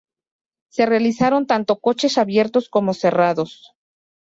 Se realizaron tanto coches abiertos como cerrados.